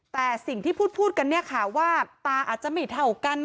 แต่สิ่งที่พูดกันเนี่ยค่ะว่าตาอาจจะไม่เท่ากัน